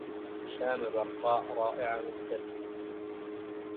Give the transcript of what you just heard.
شام برقا راعه مبتسما